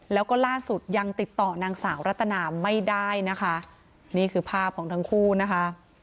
แล้วก็ล่าสุดยังติดต่อนางสาวรัตนาไม่ได้นะคะนี่คือภาพของทั้งคู่นะคะ